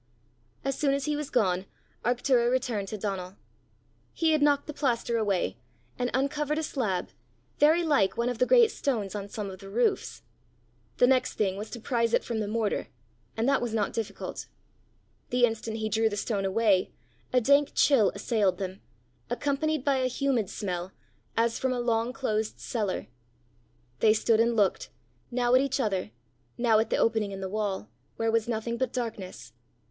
As soon as he was gone, Arctura returned to Donal. He had knocked the plaster away, and uncovered a slab, very like one of the great stones on some of the roofs. The next thing was to prize it from the mortar, and that was not difficult. The instant he drew the stone away, a dank chill assailed them, accompanied by a humid smell, as from a long closed cellar. They stood and looked, now at each other, now at the opening in the wall, where was nothing but darkness.